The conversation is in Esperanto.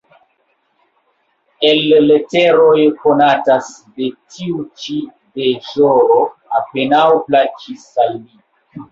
El leteroj konatas ke tiu ĉi deĵoro apenaŭ plaĉis al li.